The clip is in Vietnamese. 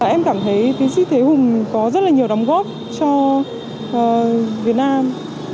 em cảm thấy tiến sĩ thế hùng có rất là nhiều đóng góp cho việt nam